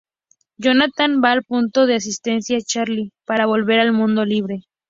Jonathan va al Punto de asistencia Charlie para volver al mundo libre.